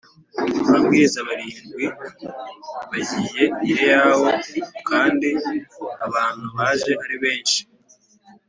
Ababwiriza barindwi bagiye i Reao kandi abantu baje aribenshi